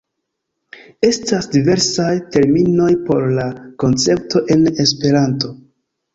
Estas diversaj terminoj por la koncepto en Esperanto.